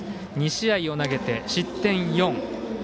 ２試合を投げて失点４。